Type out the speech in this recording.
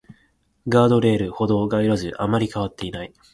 ガードレール、歩道、街路樹、あまり変わっていない